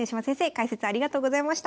解説ありがとうございました。